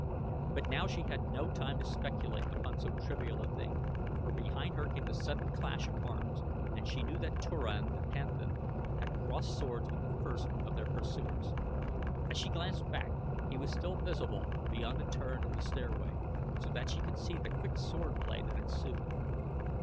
But now she had no time to speculate upon so trivial a thing, for behind her came the sudden clash of arms and she knew that Turan, the panthan, had crossed swords with the first of their pursuers. As she glanced back he was still visible beyond a turn in the stairway, so that she could see the quick swordplay that ensued.